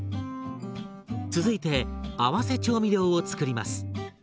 続いて合わせ調味料を作ります。